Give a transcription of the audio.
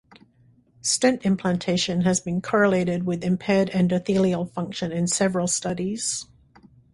Stent implantation has been correlated with impaired endothelial function in several studies.